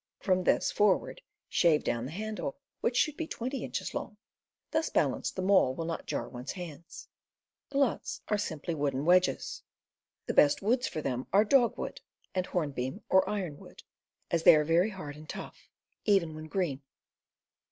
From this, forward, shave down the handle, which should be twenty inches long. Thus balanced, the maul will not jar one's hands. Gluts are simply wooden wedges. The best woods for them are dogwood and hornbeam or ironwood, as they are very hard and tough, even when green.